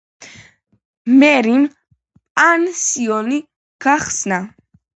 მერიმ პანსიონატი გახსნა.